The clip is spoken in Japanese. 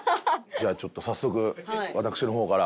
じゃあちょっと早速私の方から。